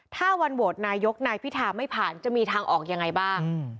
ถ้าวันโหวตนายกนายพิธาไม่ผ่านจะมีทางออกยังไงบ้าง